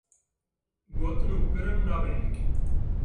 Gotin û kirin nabe yek.